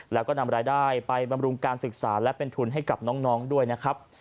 แล้วก็นำรายได้ไปบำรุงการศึกษาและเป็นทุนให้กับน้องด้วยนะครับ